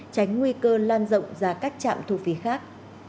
tránh nguy cơ lan rộng ra các trạm thu phí khác